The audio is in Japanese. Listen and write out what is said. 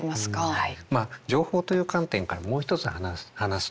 はい。